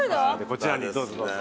こちらにどうぞどうぞ。